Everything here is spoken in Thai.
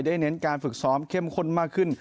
เน้นการฝึกซ้อมเข้มข้นมากขึ้น